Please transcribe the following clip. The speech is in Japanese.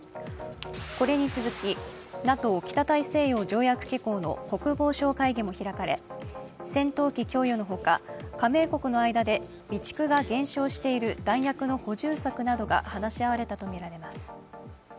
これに続きＮＡＴＯ＝北大西洋条約機構の国防相会議も開かれ戦闘機供与の他、加盟国の間で備蓄が減少している弾薬の補充策などが話し合われたとみられます。